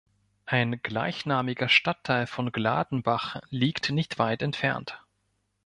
Ein gleichnamiger Stadtteil von Gladenbach liegt nicht weit entfernt.